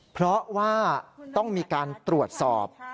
เพราะว่าต้องมีการตรวจสอบ